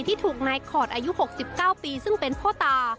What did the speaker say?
ที่ถูกนายขอดอายุ๖๙ปีซึ่งเป็นพ่อตา